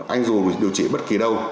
anh dù điều trị bất kỳ đâu